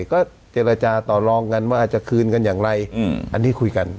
ก็เจรจาต่อลองกันว่าอาจจะคืนกันอย่างไรอันนี้คุยกัน